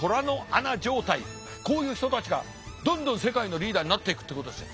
こういう人たちがどんどん世界のリーダーになっていくってことですよ。